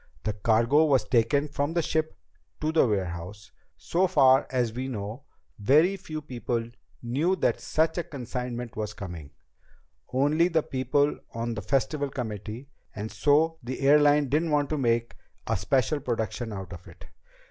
The cargo was taken from the ship to the warehouse. So far as we know, very few people knew that such a consignment was coming only the people on the Festival committee and so the airline didn't want to make a special production out of it.